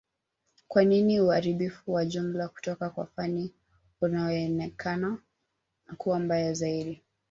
kwa nini uharibifu wa jumla kutoka kwa Fani unaonekana kuwa mbaya zaidi